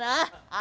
あ。